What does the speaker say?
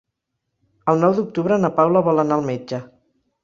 El nou d'octubre na Paula vol anar al metge.